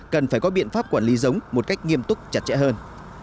cần phải có biện pháp quản lý giống một cách nghiêm túc chặt chẽ hơn